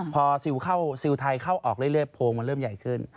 พอซิลเข้าซิลไทยเข้าออกเรื่อยโพงมันเริ่มใหญ่ขึ้น